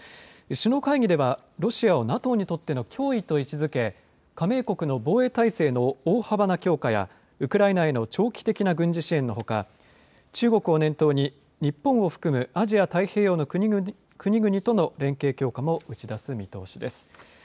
首脳会議ではロシアをＮＡＴＯにとっての脅威と位置づけ、加盟国の防衛態勢の大幅な強化やウクライナへの長期的な軍事支援のほか、中国を念頭に日本を含むアジア・太平洋の国々との連携強化も打ち出す見通しです。